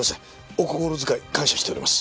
お心遣い感謝しております。